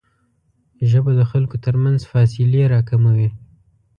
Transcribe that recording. ژبه د خلکو ترمنځ فاصلې راکموي